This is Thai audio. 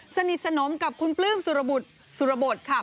สนิทสนมกับคุณปลื้มสุรบุตรสุรบทค่ะ